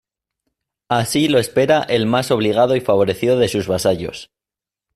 Así lo espera el más obligado y favorecido de sus vasallos.